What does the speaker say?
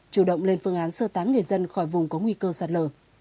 chủ động lên phương án sơ tán người dân khỏi vùng có nguy cơ sạt lở